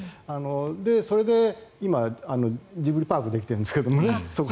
それで今、ジブリパークがそこにできてるんですけどね。